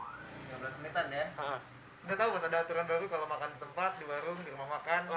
udah tau nggak ada aturan baru kalau makan di tempat di warung di rumah makan